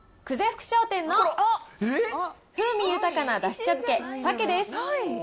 福商店の風味豊かなだし茶漬け鮭です。